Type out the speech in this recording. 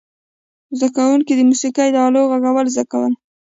زده کوونکو د موسیقي د آلو غږول زده کول.